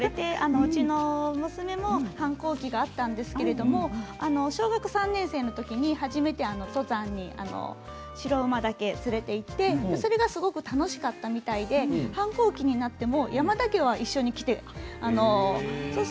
うちの娘も反抗期があったんですが小学校３年生のときに初めて登山に白馬岳に連れて行ったら楽しかったみたいで反抗期になっても山にだけは一緒に来るんです。